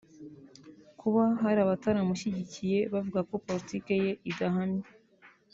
Kuba hari abatamushyigikiye bavuga ko Politiki ye idahamye